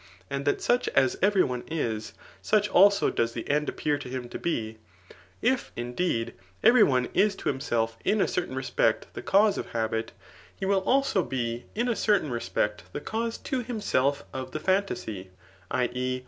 aad thatt flttrii as every one is, sudi also does the end appear to L to be ;•*— if, indeed, every one is to himself in a cbiv respect the cause of haUt, he will also be in a certain Wmffect the cause to himself of the phantasy [i« e.